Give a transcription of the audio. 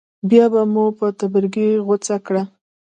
بیا به مو په تبرګي غوڅه کړه.